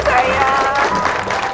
tapi papa atau etik kan